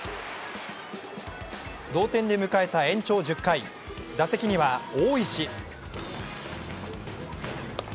同点で迎えた延長１０回打席には大石。